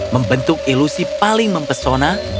membentuk ilusi paling mempesona